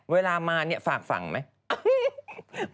เวลามาเนี่ยฝากฝั่งไหม